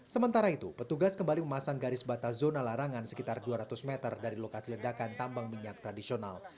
sementara itu petugas kembali memasang garis batas zona larangan sekitar dua ratus meter dari lokasi ledakan tambang minyak tradisional